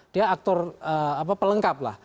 dia aktor pelengkap lah